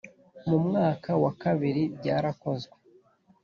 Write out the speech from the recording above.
Mu mwaka wa kabiri byarakozwe